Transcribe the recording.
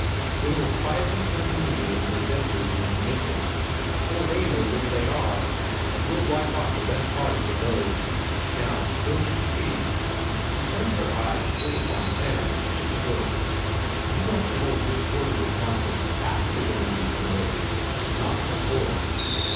Then we'll quietly turn the meeting into a debt raising convention, before they know where they are, and we'll wipe off the best part of the load. Now, don't you see," she turned her eyes full upon Theron as she spoke, "you want to hold your Quarterly Conference AFTER this money's been raised, not before."